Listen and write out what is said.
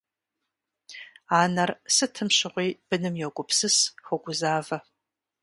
Анэр сытым щыгъуи быным йогупсыс, хуогузавэ.